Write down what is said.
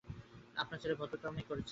আপনার ছেলে অভদ্রতামো করছে।